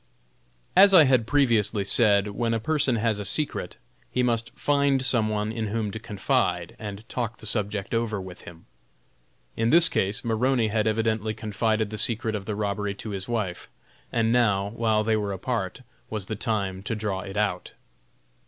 As I had previously said, when a person has a secret, he must find some one in whom to confide, and talk the subject over with him. In this case Maroney had evidently confided the secret of the robbery to his wife, and now, while they were apart, was the time to draw it out.